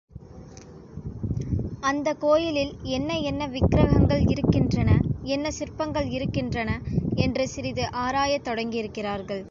அந்தக் கோயிலில் என்ன என்ன விக்கிரகங்கள் இருக்கின்றன, என்ன சிற்பங்கள் இருக்கின்றன என்று சிறிது ஆராயத் தொடங்கியிருக்கிறார்கள்.